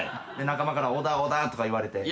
仲間から「小田小田」とか言われて。